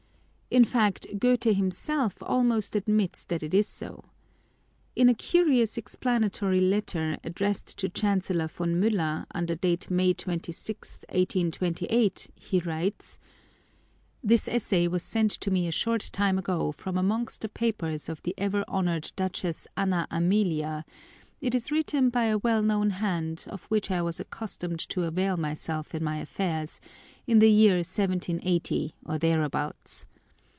In fact, Goethe himself almost admits that it is so. Ina cunous explanatory letter, addressed to Chancellor yon Miller, under date May 26th, 1828, he writes :— “This essay was sent to me a short time ago from amongst the papers of the ever honoured Duchess Anna Amelia; it is written by a well known hand, of which I was accustomed to avail myself in my affairs, in the year 1780, or thereabouts.